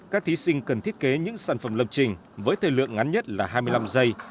các thí sinh cần thiết kế những sản phẩm lập trình với thời lượng ngắn nhất là hai mươi năm giây